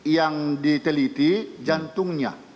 yang diteliti jantungnya